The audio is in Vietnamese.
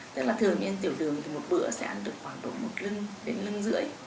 tức là thường niên tiểu đường thì một bữa sẽ ăn được khoảng độ một lưng đến lưng rưỡi